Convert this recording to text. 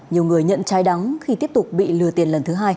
nhiều người nhận trai đắng khi tiếp tục bị lừa tiền lần thứ hai